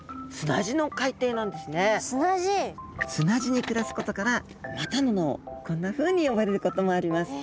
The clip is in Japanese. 実は砂地に暮らすことからまたの名をこんなふうに呼ばれることもあります。